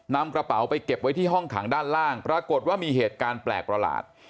นำกระเป๋าไปเก็บไว้ที่ห้องขังด้านล่างปรากฏว่ามีเหตุการณ์แปลกประหลาด